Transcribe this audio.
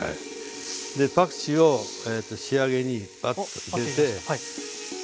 でパクチーを仕上げにパッと入れて。